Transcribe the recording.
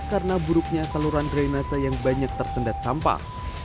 karena buruknya saluran drenase yang banyak tersendat sampah